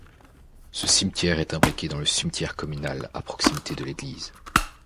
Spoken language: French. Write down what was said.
Ce cimetière est imbriqué dans le cimetière communal à proximité de l'église.